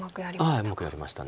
はいうまくやりました。